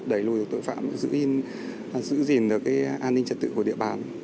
đẩy lùi tội phạm giữ gìn được an ninh trật tự của địa bàn